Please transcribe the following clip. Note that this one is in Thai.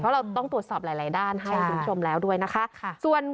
เพราะเราต้องตรวจสอบหลายด้านให้คุณผู้ชมแล้วด้วยนะคะ